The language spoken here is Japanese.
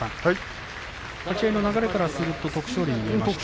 立ち合いの流れからすると徳勝龍に見えました。